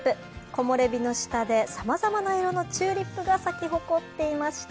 木漏れ日の下でさまざまな色のチューリップが咲き誇っていました。